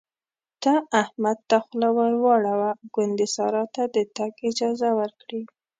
ته احمد ته خوله ور واړوه ګوندې سارا ته د تګ اجازه ورکړي.